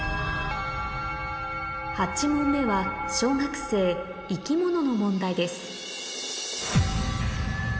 ８問目は小学生の問題です